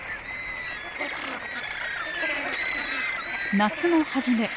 夏の初め。